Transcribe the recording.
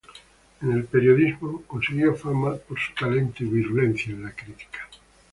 En el periodismo, consiguió fama por su talento y virulencia en la crítica.